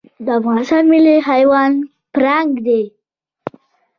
د افغانستان ملي حیوان پړانګ دی